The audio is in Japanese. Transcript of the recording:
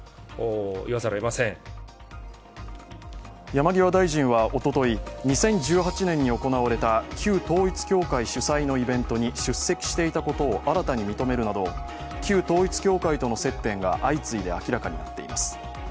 山際大臣はおととい、２０１８年に行われた旧統一教会主催のイベントに出席していたことを新たに認めるなど旧統一教会との接点が相次いで明らかになっています。